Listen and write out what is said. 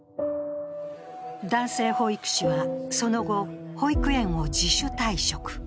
男性保育士はその後、保育園を自主退職。